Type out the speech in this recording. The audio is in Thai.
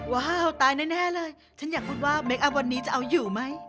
ว้าวตายแน่เลยฉันอยากพูดว่าเคคอัพวันนี้จะเอาอยู่ไหม